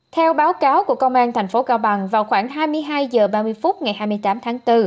theo báo cáo của công an thành phố cao bằng vào khoảng hai mươi hai h ba mươi phút ngày hai mươi tám tháng bốn